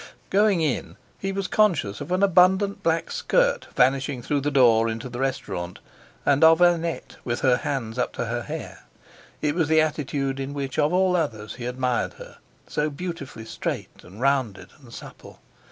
Going in, he was conscious of an abundant black skirt vanishing through the door into the restaurant, and of Annette with her hands up to her hair. It was the attitude in which of all others he admired her—so beautifully straight and rounded and supple.